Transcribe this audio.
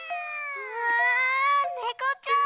わあねこちゃん！